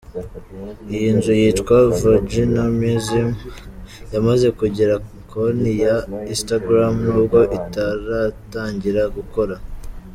Iyi nzu yitwa ‘Vagina museum’ yamaze kugira konti ya Instagram nubwo itaratangira gukora.